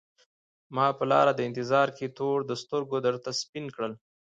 ما په لار د انتظار کي تور د سترګو درته سپین کړل